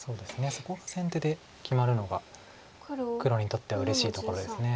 そこが先手で決まるのが黒にとってはうれしいところです。